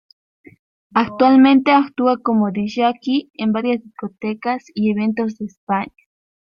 Actualmente actúa como disc-jockey en varias discotecas y eventos de España.